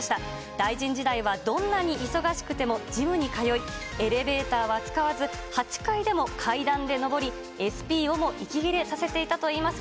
大臣時代は、どんなに忙しくてもジムに通い、エレベーターは使わず、８階でも階段で上り、ＳＰをも息切れさせていたといいます。